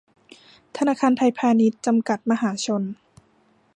ธนาคารไทยพาณิชย์ จำกัด มหาชน